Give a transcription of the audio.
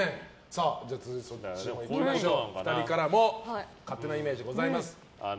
続いて、２人からも勝手なイメージございます。